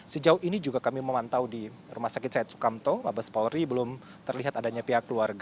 sejauh ini juga kami memantau di rumah sakit said sukamto mabes polri belum terlihat adanya pihak keluarga